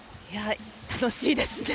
楽しいですね。